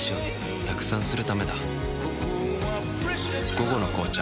「午後の紅茶」